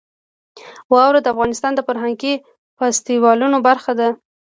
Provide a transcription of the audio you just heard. واوره د افغانستان د فرهنګي فستیوالونو برخه ده.